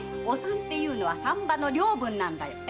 お産っていうのは産婆の領分なんだ。